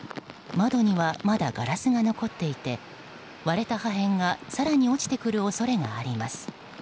窓にはまだガラスが残っていて割れた破片が更に落ちてくる恐れがあります。